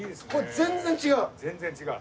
全然違う。